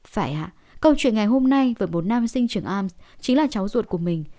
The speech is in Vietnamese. phải hả câu chuyện ngày hôm nay với một nam sinh trường ams chính là cháu ruột của mình